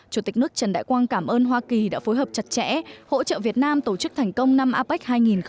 chủ tịch nước trần đại quang cảm ơn hoa kỳ đã phối hợp chặt chẽ hỗ trợ việt nam tổ chức thành công năm apec hai nghìn hai mươi